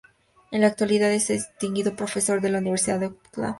En la actualidad es un distinguido profesor de la Universidad de Auckland.